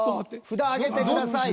札上げてください。